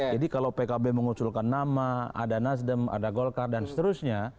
jadi kalau pkb mengusulkan nama ada nasdem ada golkar dan seterusnya